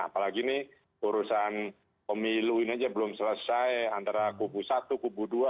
apalagi ini urusan pemilu ini aja belum selesai antara kubu satu kubu dua